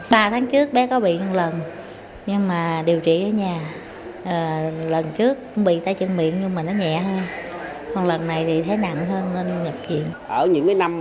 ba tháng trước bé có bị một lần nhưng mà điều trị ở nhà lần trước cũng bị tay chân miệng nhưng mà nó nhẹ hơn còn lần này thì thấy nặng hơn nên nhập chuyện